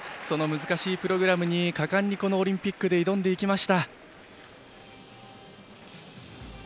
その難しいプログラムに果敢にこのオリンピックで挑んでいきました。